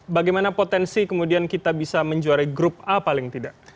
bagaimana potensi kemudian kita bisa menjuarai grup a paling tidak